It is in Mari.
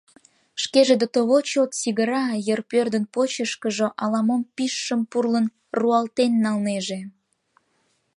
Шкеже дотово чот сигыра, йыр пӧрдын, почышкыжо ала-мом пижшым пурлын руалтен налнеже.